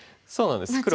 そうなんです